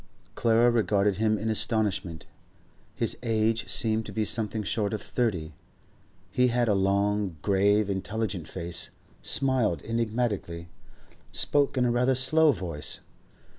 Clara regarded him in astonishment. His age seemed to be something short of thirty; he had a long, grave, intelligent face, smiled enigmatically, spoke in a rather slow voice.